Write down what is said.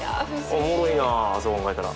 おもろいなそう考えたら。